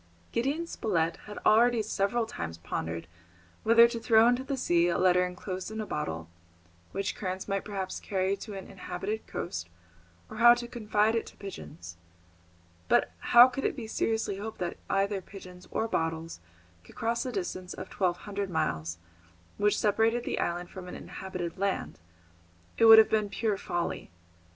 Gideon Spilett had already several times pondered whether to throw into the sea a letter enclosed in a bottle, which currents might perhaps carry to an inhabited coast, or to confide it to pigeons. But how could it be seriously hoped that either pigeons or bottles could cross the distance of twelve hundred miles which separated the island from any inhabited land? It would have been pure folly.